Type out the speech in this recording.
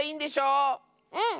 うん。